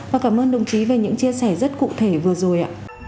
và cảm ơn đồng chí về những chia sẻ rất cụ thể vừa rồi ạ